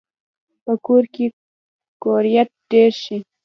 په کور کې کورت ډیر شي